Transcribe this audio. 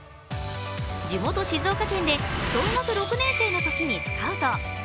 地元・静岡県で小学６年生のときにスカウト。